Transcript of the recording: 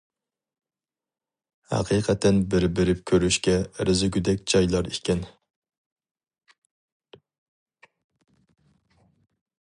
ھەقىقەتەن بىر بېرىپ كۆرۈشكە ئەرزىگۈدەك جايلار ئىكەن.